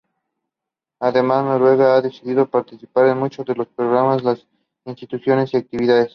Además, Noruega ha decidido participar en muchos de los programas, las instituciones y actividades.